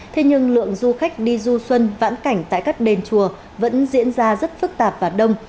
thế nhưng lượng du khách đi du xuân vãn cảnh tại các đền chùa vẫn diễn ra rất phức tạp và đông